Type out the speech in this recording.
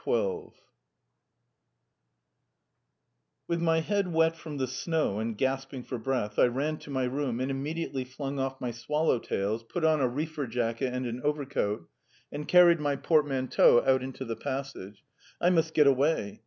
XII[edit] With my head wet from the snow, and gasping for breath, I ran to my room, and immediately flung off my swallow tails, put on a reefer jacket and an overcoat, and carried my portmanteau out into the passage; I must get away!